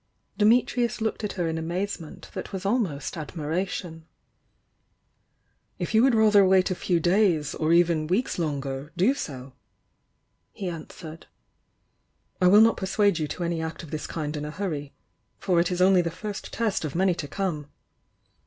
Dimitrius looked at her in amazement that was almost admiration. "If you would rather wait a few days, or even weeks longer, do so," he answered. "I will not per suade you to any act of this kind in a hurry. For it is only the first test of many to come."